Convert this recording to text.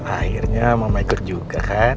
akhirnya mama ikut juga kan